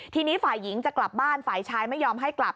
ทีนี้ฝ่ายหญิงจะกลับบ้านฝ่ายชายไม่ยอมให้กลับ